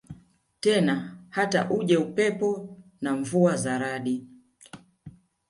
tena Hata uje upepo na mvua za radi